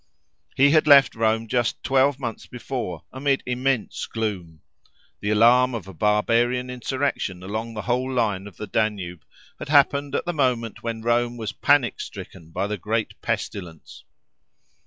He had left Rome just twelve months before, amid immense gloom. The alarm of a barbarian insurrection along the whole line of the Danube had happened at the moment when Rome was panic stricken by the great pestilence.